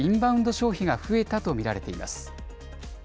消費が増えたと見られています。